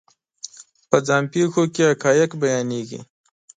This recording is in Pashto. په ځان پېښو کې حقایق بیانېږي.